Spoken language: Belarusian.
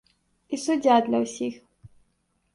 І суддзя для ўсіх.